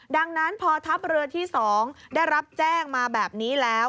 ดังนั้นพอทัพเรือที่๒ได้รับแจ้งมาแบบนี้แล้ว